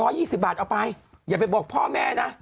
๒๐บาทเอาไปอย่าไปบอกพ่อแม่นะ